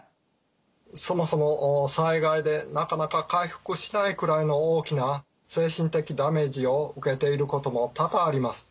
そもそも災害でなかなか回復しないくらいの大きな精神的ダメージを受けていることも多々あります。